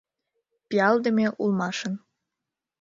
Пиалдыме улмашын.